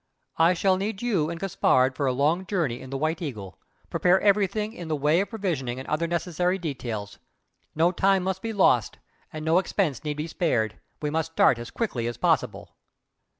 "I shall need you and Gaspard for a long journey in the 'White Eagle.' Prepare everything in the way of provisioning and other necessary details. No time must be lost, and no expense need be spared. We must start as quickly as possible."